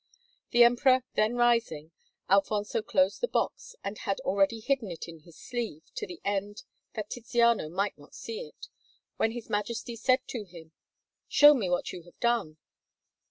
The Emperor then rising, Alfonso closed the box and had already hidden it in his sleeve, to the end that Tiziano might not see it, when his Majesty said to him: "Show me what you have done."